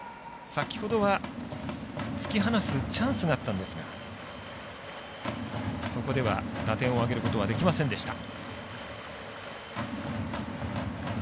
先ほどは突き放すチャンスがあったんですがそこでは、打点を挙げることはできませんでした。